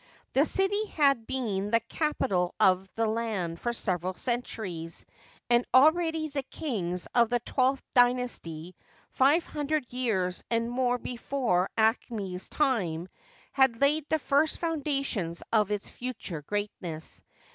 The city had been the capital of the land for several centuries, and already the kings of the twelfth dynasty, five hundred years and more be fore Aahmes's time, had laid the first foundations of its future greatness.